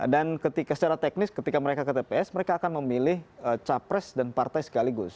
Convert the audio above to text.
dan ketika secara teknis ketika mereka ke tps mereka akan memilih capres dan partai sekaligus